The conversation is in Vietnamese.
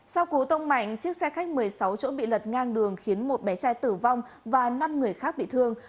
sau cú tông mạnh chiếc xe khách một mươi sáu chỗ bị lật ngang đường khiến một bé trai tử vong và năm người khác bị thương